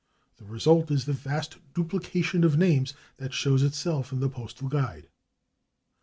The result is the vast duplication of names that shows itself in the Postal Guide.